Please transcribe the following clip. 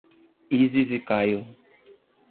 Isis e Caio